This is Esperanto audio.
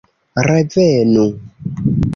Revenu!